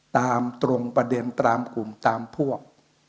ตามตรงประเด็นตามกลุ่มตามพวก